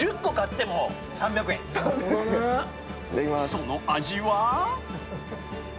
［その味は］